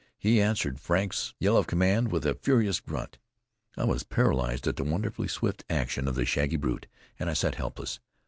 He answered Frank's yell of command with a furious grunt. I was paralyzed at the wonderfully swift action of the shaggy brute, and I sat helpless.